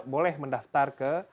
boleh mendaftar ke